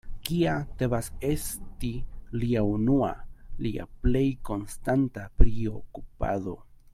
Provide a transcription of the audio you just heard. Kia devas esti lia unua, lia plej konstanta priokupado?